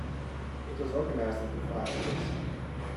It was organized into five books.